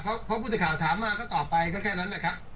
เพราะผู้สื่อข่าวถามมาก็ตอบไปก็แค่นั้นแหละครับ